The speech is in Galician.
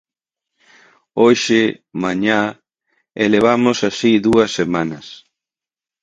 Hoxe, mañá... e levamos así dúas semanas.